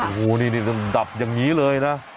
โอ้โหนี่ต้องดับอย่างนี้เลยนะ